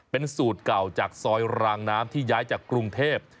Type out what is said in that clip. เป็นสูตรเก่าจากซอยรางน้ำที่ย้ายจากกรุงเทพ